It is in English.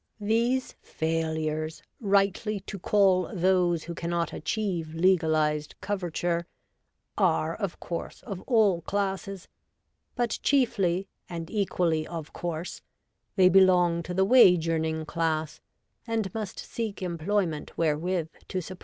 These failures, rightly to call those who cannot achieve legalised coverture, are, of course, of all classes, but chiefly and equally of course, they belong to the wage earning class, and must seek employment wherewith to support wo.